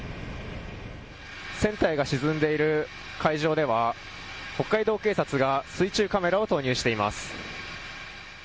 船体が沈んでいる海上では北海道警察が水中カメラを投入しています。